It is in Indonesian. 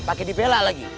pakai dibela lagi